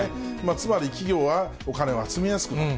つまり企業はお金を集めやすくなる。